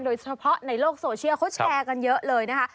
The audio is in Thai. โดยเฉพาะในโลกโซเชียลเขาแชร์กันเยอะเลยนะคะ